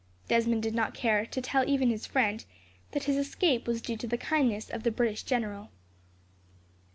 Desmond did not care to tell even his friend that his escape was due to the kindness of the British general.